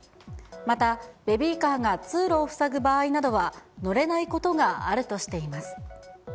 また、ベビーカーが通路を塞ぐ場合などは、乗れないことがあるとしています。